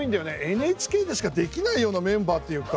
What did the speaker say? ＮＨＫでしかできないようなメンバーっていうか。